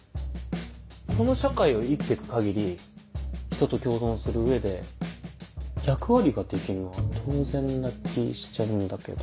この社会を生きていく限り人と共存する上で役割ができるのは当然な気しちゃうんだけど。